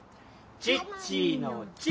チッチーのチ！